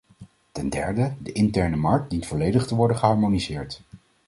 Ten derde: de interne markt dient volledig te worden geharmoniseerd.